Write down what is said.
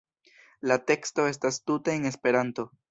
La teksto estas tute en Esperanto.